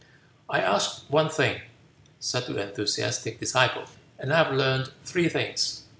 '" "I asked one thing," said the enthusiastic disciple, "and I have learned three things.